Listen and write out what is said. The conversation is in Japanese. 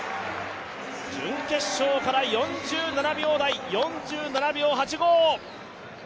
準決勝から４７秒台４７秒８５！